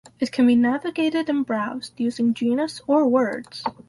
It can be navigated and browsed using genus or words.